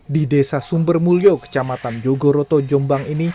di desa sumbermulyo kecamatan jogoroto jombang ini